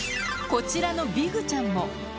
こちらのビグちゃんも。